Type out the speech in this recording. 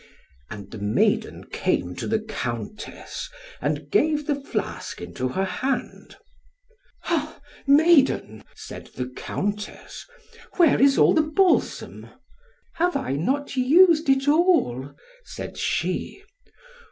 And the maiden came to the Countess, and gave the flask into her hand. "Ha! maiden," said the Countess, "where is all the balsam?" "Have I not used it all?" said she.